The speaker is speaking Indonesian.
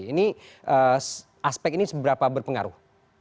ini aspek ini seberapa berpengaruh